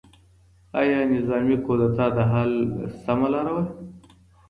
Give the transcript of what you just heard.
ایا نظامي کودتا د حل سمه لاره وه؟